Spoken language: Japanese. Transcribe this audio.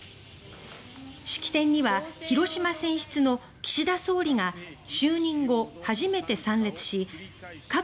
式典には広島選出の岸田総理が就任後初めて参列し核